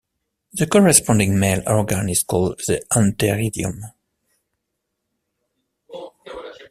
The corresponding male organ is called the antheridium.